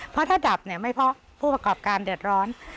เพราะถ้าดับเนี่ยไม่เพราะผู้ประกอบการเดือดร้อน